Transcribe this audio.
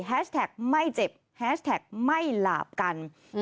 แท็กไม่เจ็บแฮชแท็กไม่หลาบกัน